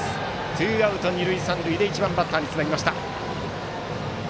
ツーアウト二塁三塁で１番バッターにつなぎました。